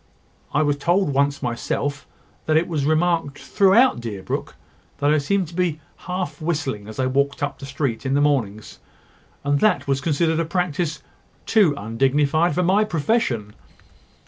I was told once myself, that it was remarked throughout Deerbrook that I seemed to be half whistling as I walked up the street in the mornings; and that it was considered a practice too undignified for my profession."